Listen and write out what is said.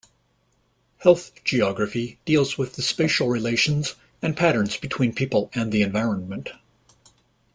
Health geography deals with the spatial relations and patterns between people and the environment.